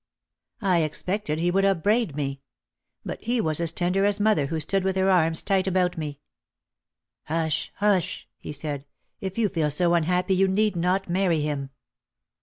I expected he would upbraid 226 OUT OF THE SHADOW me. But he was as tender as mother who stood with her arms tight about me. "Hush! hush!" he said, "if you feel so unhappy you need not marry him."